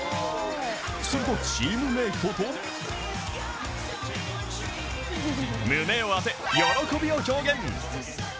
するとチームメートと胸を当て、喜びを表現。